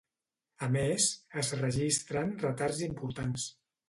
A més, es registren retards importants.